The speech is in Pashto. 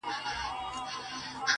دا څه ليونى دی بيـا يـې وويـل~